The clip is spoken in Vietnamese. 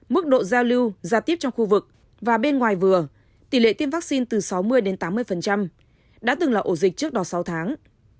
mức độ giao lưu giao tiếp trong khu vực và bên ngoài vừa tỷ lệ tiêm vaccine từ sáu mươi đến tám mươi đã từng là ổ dịch trước đó sáu tháng